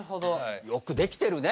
よくできてるね。